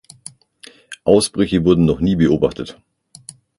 Ausbrüche wurden noch nie beobachtet.